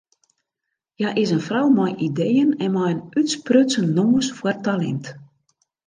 Hja is in frou mei ideeën en mei in útsprutsen noas foar talint.